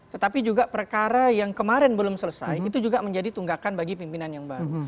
tetapi juga perkara yang kemarin belum selesai itu juga menjadi tunggakan bagi pimpinan yang baru